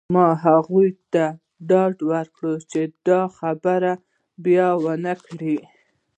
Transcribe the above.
ما هغې ته ډاډ ورکړ چې دا خبره بیا ونه کړې